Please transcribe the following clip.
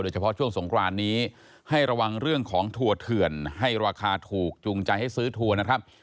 เฉพาะช่วงสงครานนี้ให้ระวังเรื่องของถั่วเถื่อนให้ราคาถูกจูงใจให้ซื้อทัวร์นะครับ